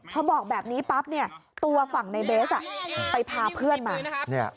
พอบอกแบบนี้ปั๊บเนี่ยตัวฝั่งในเบสไปพาเพื่อนมา